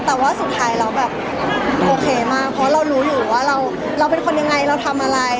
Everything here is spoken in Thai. แต่ว่าสุดท้ายแล้วแบบโอเคมากเพราะเรารู้อยู่ว่าเราเป็นคนยังไงเราทำอะไร